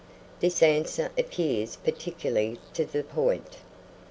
This answer appears particularly to the point.